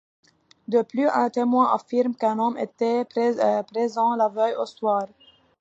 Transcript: De plus un témoin affirme qu'un homme était présent la veille au soir...